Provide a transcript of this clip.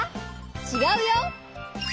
ちがうよ！